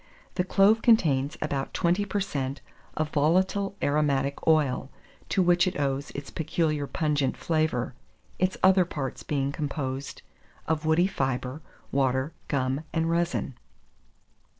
The clove contains about 20 per cent. of volatile aromatic oil, to which it owes its peculiar pungent flavour, its other parts being composed of woody fibre, water, gum, and resin.